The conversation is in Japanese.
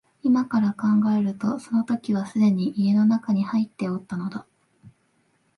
今から考えるとその時はすでに家の内に入っておったのだ